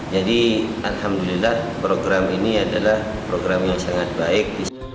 jadi alhamdulillah program ini adalah program yang sangat baik